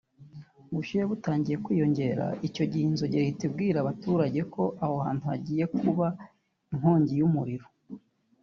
ubushyuhe butangiye kwiyongera icyo gihe inzogera ihita ibwira abaturage ko aho hantu hagiye kuba inkongi y’umuriro